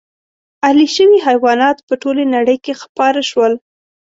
اهلي شوي حیوانات په ټولې نړۍ کې خپاره شول.